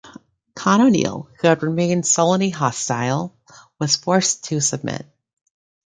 Conn O'Neill, who had remained sullenly hostile, was forced to submit.